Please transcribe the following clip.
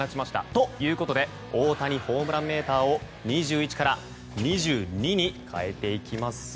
ということで大谷ホームランメーターを２１から２２に変えていきます。